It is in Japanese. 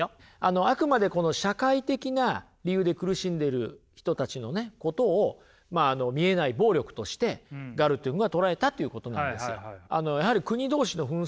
あくまで社会的な理由で苦しんでいる人たちのことを見えない暴力としてガルトゥングが捉えたということなんですよ。